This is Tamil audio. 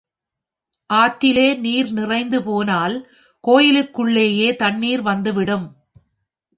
ஆற்றிலே நீர் நிறைந்து போனால் கோயிலுக்குள்ளேயே தண்ணீர் வந்து விடும்.